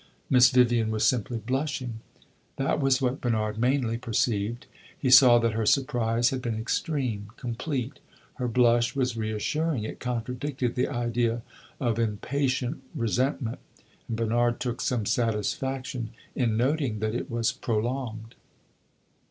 Miss Vivian was simply blushing that was what Bernard mainly perceived; he saw that her surprise had been extreme complete. Her blush was re assuring; it contradicted the idea of impatient resentment, and Bernard took some satisfaction in noting that it was prolonged.